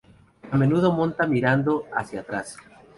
A menudo monta mirando hacia atrás.